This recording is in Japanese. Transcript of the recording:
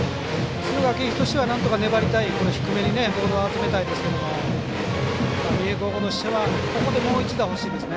敦賀気比としてはなんとか粘りたい低めにボールを集めたいですけど三重高校としてはここでもう一打欲しいですね。